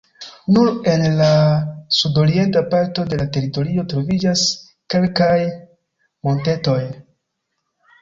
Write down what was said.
Nur en la sudorienta parto de la teritorio troviĝas kelkaj montetoj.